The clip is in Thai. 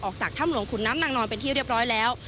ออกจากถ้ำหลวงขุนน้ำนางนอนเป็นที่เรียบร้อยแล้ว